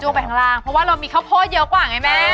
ลงไปข้างล่างเพราะว่าเรามีข้าวโพดเยอะกว่าไงแม่